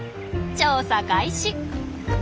調査開始！